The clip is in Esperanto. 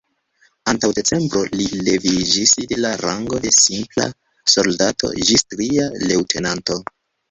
Antaŭ decembro, li leviĝis de la rango de simpla soldato ĝis tria leŭtenanto.